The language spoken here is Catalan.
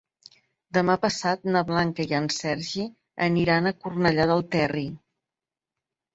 Demà passat na Blanca i en Sergi aniran a Cornellà del Terri.